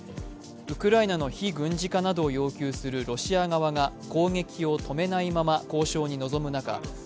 ウクライナの非軍事化などを要求するロシア側が攻撃を止めないまま交渉に臨む中